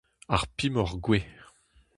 Ar pemoc'h-gouez.